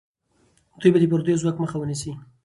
دوی به د پردیو ځواک مخه ونیسي.